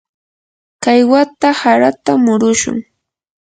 kay wata harata murushun.